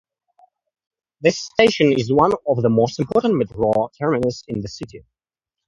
This station is one of the most important metro terminus in the city.